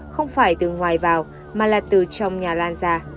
không phải từ ngoài vào mà là từ trong nhà lan ra